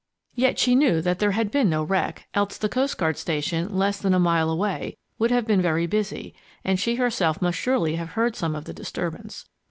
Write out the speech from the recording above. Yet she knew that there had been no wreck, else the coast guard station, less than a mile away, would have been very busy, and she herself must surely have heard some of the disturbance.